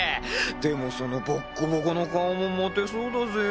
でもそのボッコボコの顔もモテそうだぜぇ。